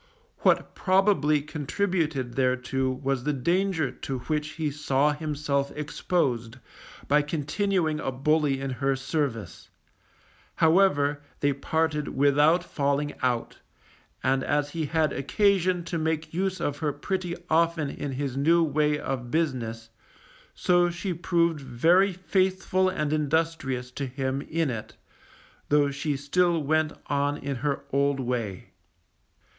What probably contributed thereto was the danger to which he saw himself exposed by continuing a bully in her service; however, they parted without falling out, and as he had occasion to make use of her pretty often in his new way of business, so she proved very faithful and industrious to him in it, though she still went on in her old way.